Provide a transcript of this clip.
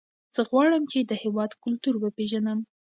زه غواړم چې د هېواد کلتور وپېژنم.